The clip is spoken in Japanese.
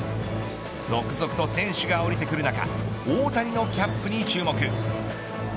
続々と選手が降りてくる中大谷のキャップに注目。